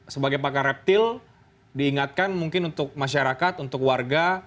sebagai pakar reptil diingatkan mungkin untuk masyarakat untuk warga